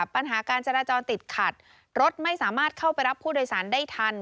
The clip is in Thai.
ปัญหาการจราจรติดขัดรถไม่สามารถเข้าไปรับผู้โดยสารได้ทัน